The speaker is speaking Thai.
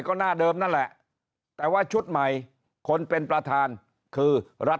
ก็หน้าเดิมนั่นแหละแต่ว่าชุดใหม่คนเป็นประธานคือรัฐ